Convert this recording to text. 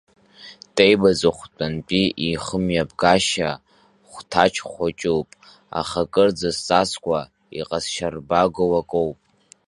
Теиб аҵыхәтәантәи ихымҩаԥгашьа хәҭаҷ хәыҷуп, аха акырӡа зҵазкуа, иҟазшьарбагоу акоуп.